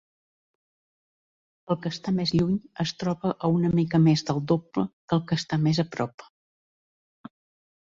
El que està més lluny es troba a una mica més del doble que el que està més a prop.